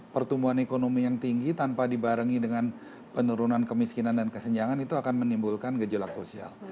pertumbuhan ekonomi yang tinggi tanpa dibarengi dengan penurunan kemiskinan dan kesenjangan itu akan menimbulkan gejolak sosial